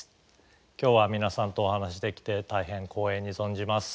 今日は皆さんとお話しできて大変光栄に存じます。